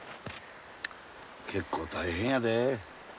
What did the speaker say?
結構大変やで。